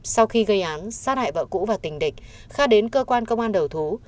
sau khi gây án sát hại vợ cũ và tình địch kha đến cơ quan công an đầu thú